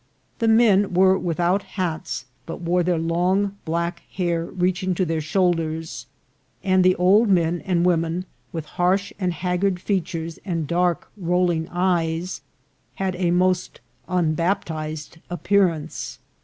The men were without hats, but wore their long black hair reaching to their shoulders ; and the old men and women, with harsh and haggard features and dark rolling eyes, had a rriost unbaptized appearance.